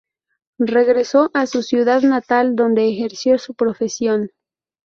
Regresó a su ciudad natal, donde ejerció su profesión.